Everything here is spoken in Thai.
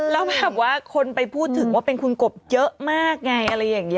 แล้วแบบว่าคนไปพูดถึงว่าเป็นคุณกบเยอะมากไงอะไรอย่างนี้